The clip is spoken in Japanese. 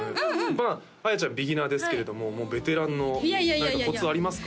まあ綾ちゃんビギナーですけれどももうベテランの何かこつありますか？